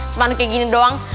spanduk kayak gini doang